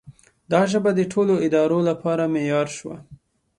دا ژبه د ټولو ادارو لپاره معیار شوه.